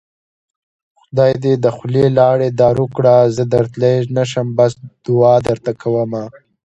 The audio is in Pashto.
خدای دې د خولې لاړې دارو کړه زه درتلی نشم بس دوعا درته کوومه